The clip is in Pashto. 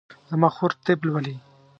زما خور طب لولي